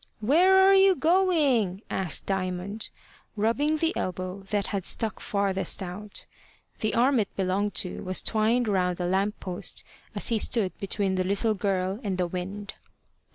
"Where are you going?" asked Diamond, rubbing the elbow that had stuck farthest out. The arm it belonged to was twined round a lamp post as he stood between the little girl and the wind.